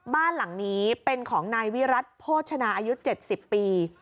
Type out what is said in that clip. บ้านหลังนี้เป็นของนายวิรัติโภชนาอายุ๗๐ปี